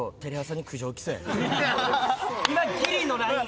今ギリのライン。